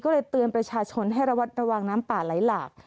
ก็เลยเตือนประชาชนให้ระวัดระวังน้ำป่าไหลหลาก